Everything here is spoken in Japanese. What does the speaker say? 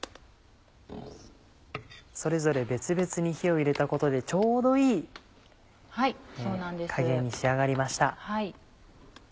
それぞれ別々に火を入れたことでちょうどいい加減に仕上がりました。